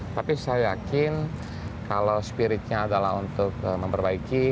tapi saya yakin kalau spiritnya adalah untuk memperbaiki